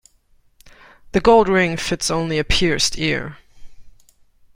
The gold ring fits only a pierced ear.